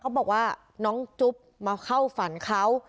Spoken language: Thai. บอกว่าน้องจุ๊บมาเข้าฝันเขา